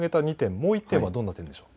もう１点はどんな点でしょうか。